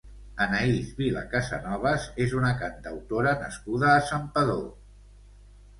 Anaïs Vila Casanovas és una cantautora nascuda a Santpedor.